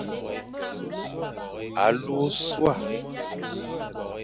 Alu ôsua.